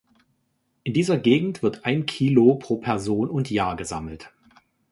In dieser Gegend wird ein Kilo pro Person und Jahr gesammelt.